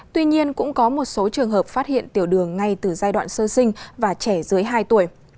tuy nhiên cũng có một số trường hợp phát hiện tiểu đường ngay từ giai đoạn sơ sinh và trẻ dưới hai tuổi